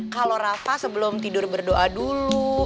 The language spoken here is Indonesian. kalau rafa sebelum tidur berdoa dulu